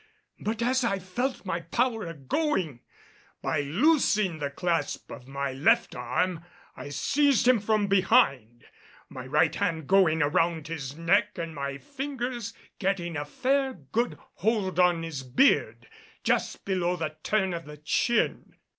But as I felt my power a going, by loosing the clasp of my left arm, I seized him from behind, my right hand going around his neck and my fingers getting a fair good hold in his beard just below the turn of the chin.